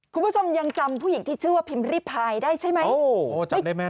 คุณผู้ชมยังจำผู้หญิงที่ชื่อว่าพิมพ์ริพายได้ใช่ไหม